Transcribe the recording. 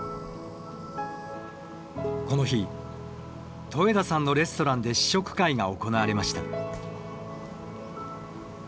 この日戸枝さんのレストランで試食会が行われました。